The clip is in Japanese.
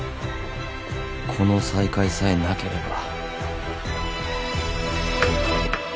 この再会さえなければ